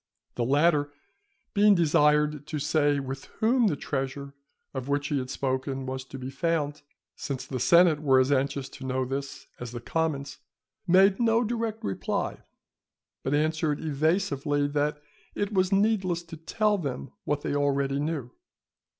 The latter, being desired to say with whom the treasure of which he had spoken was to be found, since the senate were as anxious to know this as the commons, made no direct reply, but answered evasively that it was needless to tell them what they already knew.